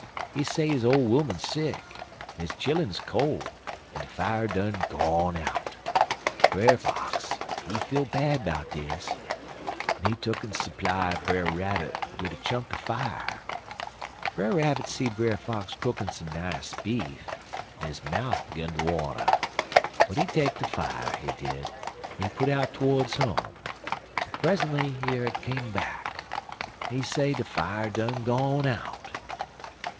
He say his ole 'oman sick, en his chilluns col', en de fier done gone out. Brer Fox, he feel bad 'bout dis, en he tuck'n s'ply Brer Rabbit widder chunk er fier. Brer Rabbit see Brer Fox cookin' some nice beef, en his mouf gun ter water, but he take de fier, he did, en he put out to'rds home; but present'y yer he come back, en he say de fier done gone out.